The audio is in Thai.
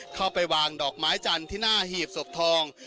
เข้าไปวางดอกไม้จันทร์ที่หน้าหีบศพทอง